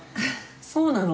そうなの？